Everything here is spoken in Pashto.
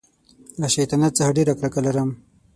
له شیطانت څخه ډېره کرکه لرم.